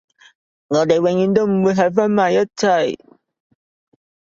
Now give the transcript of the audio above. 我哋永遠都唔會喺返埋一齊